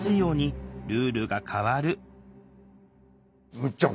むっちゃん